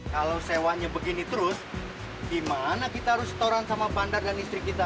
kalau sewanya begini terus gimana kita harus setoran sama bandar dan listrik kita